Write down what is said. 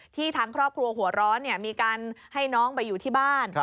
ทางครอบครัวหัวร้อนมีการให้น้องไปอยู่ที่บ้าน